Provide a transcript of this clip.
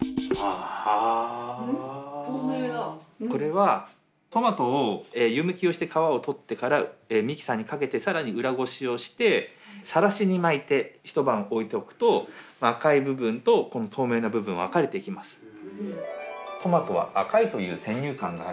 これはトマトを湯むきをして皮を取ってからミキサーにかけて更に裏ごしをしてさらしに巻いて一晩置いとくと赤い部分とこの透明な部分分かれていきます。